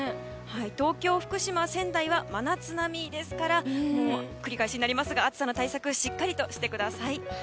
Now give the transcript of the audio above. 東京、福島、仙台は真夏並みですから繰り返しですが暑さの対策をしっかりとしてください。